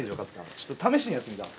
ちょっと試しにやってみたい。